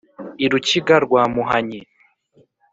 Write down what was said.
i rukiga rwa muhanyi,